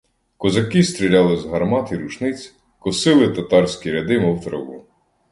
Козаки стріляли з гармат і рушниць, косили татарські ряди, мов траву.